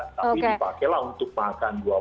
tapi dipakailah untuk makan